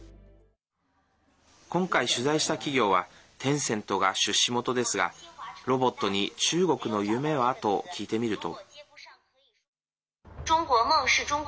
今回、取材した企業はテンセントが出資元ですがロボットに「中国の夢は？」と聞いてみると。